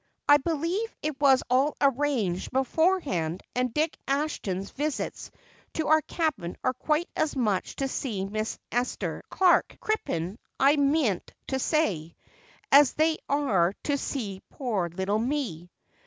I believe it was all arranged beforehand and Dick Ashton's visits to our cabin are quite as much to see Miss Esther Clark Crippen I meant to say as they are to see poor little me."